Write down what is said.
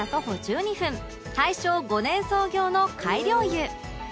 大正５年創業の改良湯